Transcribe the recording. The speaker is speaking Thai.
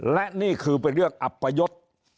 และนี่คือเป็นเรื่องอัปยศ